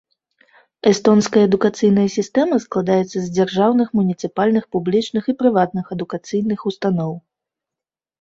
Эстонская адукацыйная сістэма складаецца з дзяржаўных, муніцыпальных, публічных і прыватных адукацыйных устаноў.